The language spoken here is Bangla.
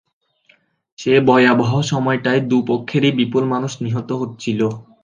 সে ভয়াবহ সময়টায় দু-পক্ষেরই বিপুল মানুষ নিহত হচ্ছিল।